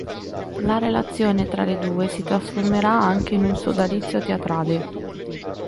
La relazione tra le due si trasformerà anche in sodalizio teatrale.